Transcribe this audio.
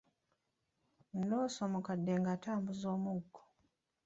Ndoose omukadde nga atambuza omuggo.